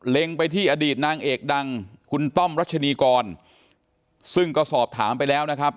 ไปที่อดีตนางเอกดังคุณต้อมรัชนีกรซึ่งก็สอบถามไปแล้วนะครับ